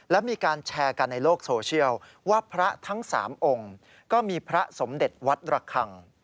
และมีการแชร์กันในโลกโซเชียลว่าพระทั้ง๓องค์ก็มีพระสมเด็จวัดระคัง